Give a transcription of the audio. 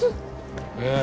ええ。